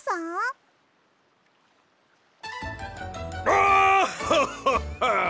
ガハッハッハ！